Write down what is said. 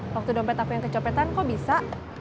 waktu dompet apa yang kecopetan kok bisa